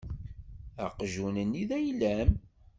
Aqjun-nni d ayla-m.